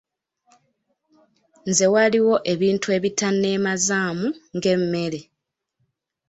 Nze waliwo ebintu ebitanneemazaamu ng’emmere.